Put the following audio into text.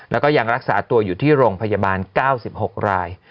แล้วก็ยังรักษาตัวอยู่ที่โรงพยาบาล๙๖ราย